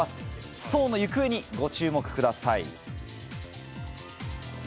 ストーンの行方にご注目ください。